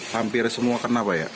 hampir semua kenapa ya